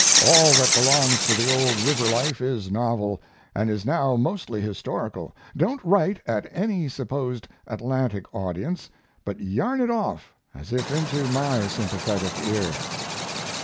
All that belongs to the old river life is novel, and is now mostly historical. Don't write at any supposed Atlantic audience, but yarn it off as if into my sympathetic ear.